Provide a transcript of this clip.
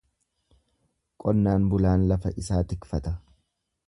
Qonnaan bulaan lafa isaa tikfata.